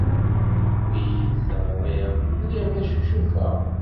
Mi iyi-d-teɣrid, lliɣ la ccucufeɣ.